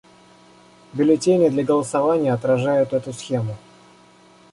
Бюллетени для голосования отражают эту схему.